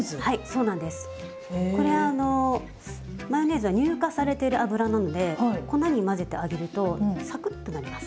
これはあのマヨネーズは乳化されてる油なので粉に混ぜて揚げるとサクッとなります。